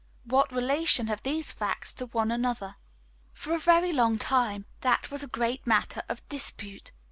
What relation have these two facts to one another? For a very long time that was a great matter of dispute.